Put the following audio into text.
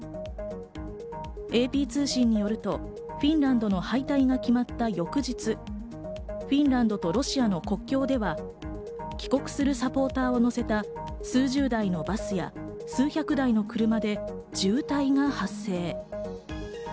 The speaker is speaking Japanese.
ＡＰ通信によると、フィンランドの敗退が決まった翌日、フィンランドとロシアの国境では帰国するサポーターを乗せた数十台のバスや数百台の車で渋滞が発生。